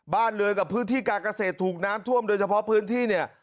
บ้านเรือนกับพื้นที่การเกษตรถูกน้ำท่วมโดยเฉพาะพื้นที่เนี่ย